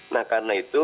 nah karena itu